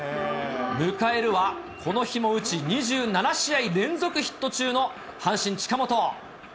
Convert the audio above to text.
迎えるはこの日も打ち、２７試合連続ヒット中の阪神、近本。